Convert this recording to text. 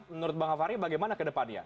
menurut bang afahri bagaimana ke depannya